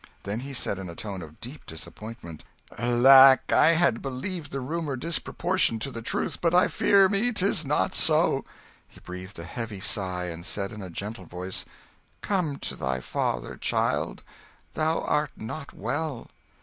Then he said in a tone of deep disappointment "Alack, I had believed the rumour disproportioned to the truth; but I fear me 'tis not so." He breathed a heavy sigh, and said in a gentle voice, "Come to thy father, child: thou art not well."